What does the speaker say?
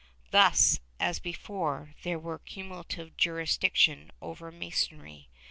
^ Thus, as before, there was cumulative jurisdiction over Masonry.